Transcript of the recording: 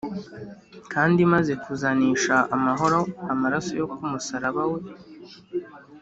Kandi imaze kuzanisha amahoro amaraso yo ku musaraba we